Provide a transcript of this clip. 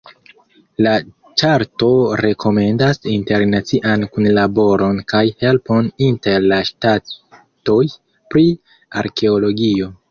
La ĉarto rekomendas internacian kunlaboron kaj helpon inter la ŝtatoj pri arkeologio.